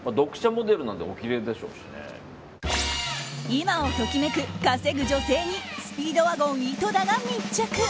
今を時めく稼ぐ女性にスピードワゴン井戸田が密着。